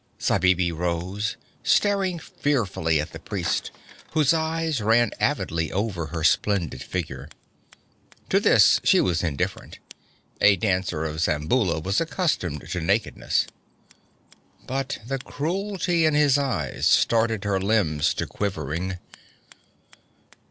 Zabibi rose, staring fearfully at the priest, whose eyes ran avidly over her splendid figure. To this she was indifferent. A dancer of Zamboula was accustomed to nakedness. But the cruelty in his eyes started her limbs to quivering.